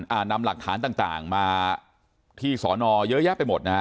อ่านำหลักฐานต่างต่างมาที่สอนอเยอะแยะไปหมดนะฮะ